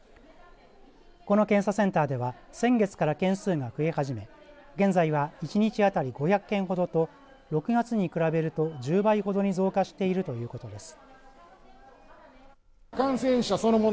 この検査センターでは先月から件数が増え始め現在は１日当たり５００件ほどと６月に比べると１０倍ほどに増加しているということです。